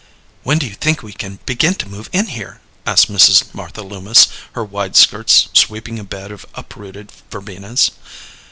"When do you think we can begin to move in here?" asked Mrs. Martha Loomis, her wide skirts sweeping a bed of uprooted verbenas.